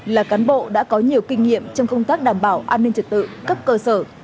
là cán bộ đã có nhiều kinh nghiệm trong công tác đảm bảo an ninh trật tự cấp cơ sở